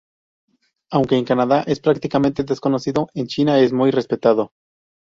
Aunque en Canadá es prácticamente desconocido, en China es muy respetado.